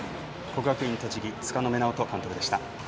国学院栃木柄目直人監督でした。